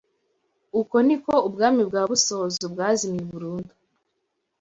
Uko niko Ubwami bwa Busozo bwazimye burundu